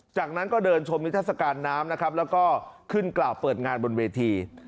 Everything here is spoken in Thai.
จากนั้นก็เดินชมนิทัศกาลน้ำนะครับแล้วก็ขึ้นกล่าวเปิดงานบนเวที